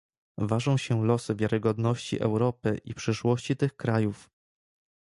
Ważą się losy wiarygodności Europy i przyszłości tych krajów